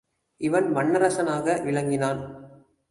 இவன் மண்ணரசனாக விளங்கினான்.